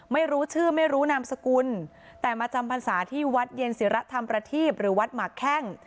ไม่รู้ชื่อไม่รู้นามสกุลแต่มาจำพรรษาที่วัดเย็นศิรธรรมประทีพหรือวัดหมากแข้ง